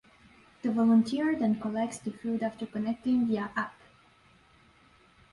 The volunteer then collects the food after connecting via app.